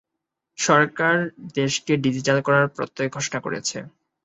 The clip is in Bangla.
সরকার দেশকে ডিজিটাল করার প্রত্যয় ঘোষণা করেছে।